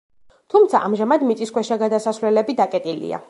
თუმცა ამჟამად მიწისქვეშა გადასასვლელები დაკეტილია.